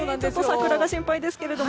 桜が心配ですけど。